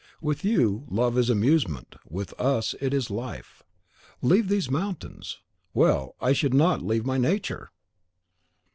With you, love is amusement; with us, it is life. Leave these mountains! Well! I should not leave my nature."